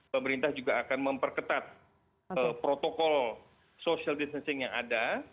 pemerintah juga akan memperketat protokol social distancing yang ada